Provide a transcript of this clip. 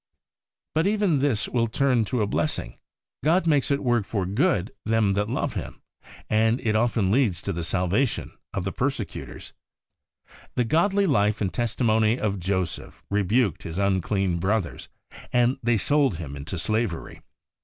But even this will turn to a blessing. God makes it work for good to them that HOLINESS AND UNCONSCIOUS INFLUENCE 49 love Him, and it often leads to the Salvation of the persecutors. The godly life and testimony of Joseph rebuked his unclean brothers, and they sold him into slavery.